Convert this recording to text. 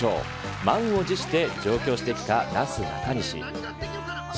満をじして上京してきたなすなかにし。